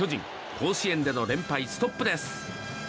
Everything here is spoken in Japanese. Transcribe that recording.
甲子園での連敗ストップです。